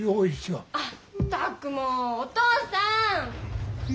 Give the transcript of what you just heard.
あったくもうお父さん！